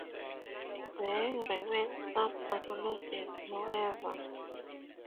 There remain some analogies, however.